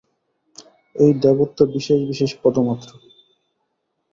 এই দেবত্ব বিশেষ বিশেষ পদমাত্র।